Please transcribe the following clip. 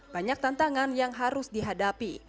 banyak tantangan yang harus dihadapi